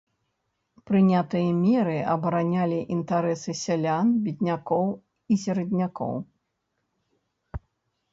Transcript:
Прынятыя меры абаранялі інтарэсы сялян беднякоў і сераднякоў.